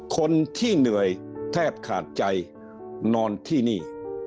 คนที่เหนื่อยแทบขาดใจนอนที่นี่